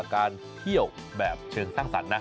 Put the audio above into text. การเที่ยวแบบเชิงสร้างสรรค์นะ